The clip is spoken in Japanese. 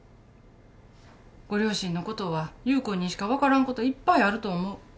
ご両親のことは優君にしか分からんこといっぱいあると思う。